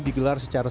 dan pasar perabu pagi